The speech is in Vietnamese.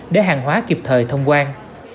để hàng hóa kịp thời thông quan